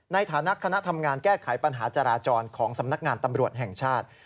ในฐานะคณะทำงานแก้ไขปัญหาจราจรของสำนักงานตำรวจแห่งชาติ